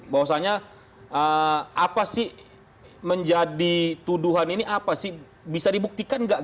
bahwasannya apa sih menjadi tuduhan ini apa sih bisa dibuktikan nggak